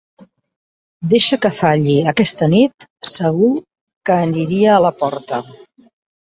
Deixa que falli aquesta nit, segur que aniria a la porta.